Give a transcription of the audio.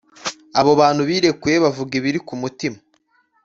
abo bantu birekuye bavuga ibibari kumutima